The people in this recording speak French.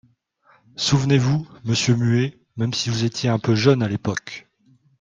Souvenez-vous, monsieur Muet, même si vous étiez un peu jeune, à l’époque.